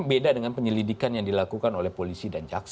beda dengan penyelidikan yang dilakukan oleh polisi dan jaksa